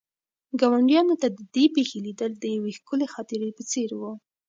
ګاونډیانو ته د دې پېښې لیدل د یوې ښکلې خاطرې په څېر وو.